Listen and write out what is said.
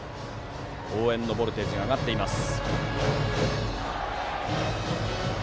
応援のボルテージが上がっています。